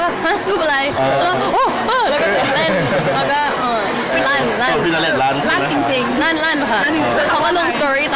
ก็น่ารักนะไม่เห็นเป็นไรเลย